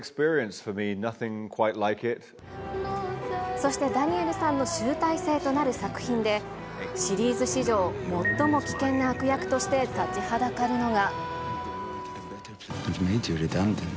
そしてダニエルさんの集大成となる作品で、シリーズ史上最も危険な悪役として立ちはだかるのが。